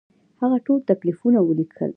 هغه ټول تکلیفونه ولیکل.